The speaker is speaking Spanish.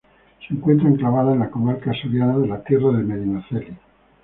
Se encuentra enclavada en la comarca soriana de la Tierra de Medinaceli.